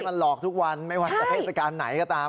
มันหลอกทุกวันไม่ว่าจะเทศกาลไหนก็ตาม